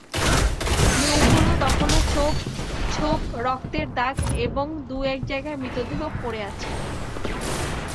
মোড়গুলোতে তখনো ছোপ ছোপ রক্তের দাগ এবং দু-এক জায়গায় মৃতদেহ পড়ে আছে।